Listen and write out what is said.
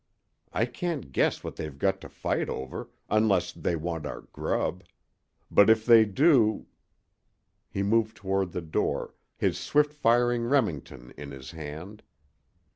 I can't guess what they've got to fight over, unless they want our grub. But if they do " He moved toward the door, his swift firing Remington in his hand.